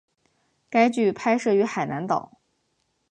该剧拍摄于海南岛。